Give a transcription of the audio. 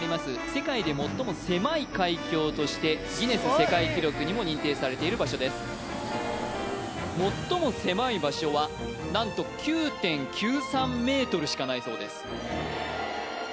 世界で最も狭い海峡としてギネス世界記録にも認定されている場所です最も狭い場所はなんと９．９３ｍしかないそうです